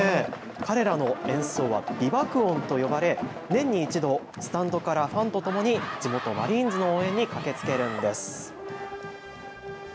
彼らの演奏は美爆音と呼ばれ年に１度、スタンドからファンとともに地元マリーンズの応援に駆けつけるんです。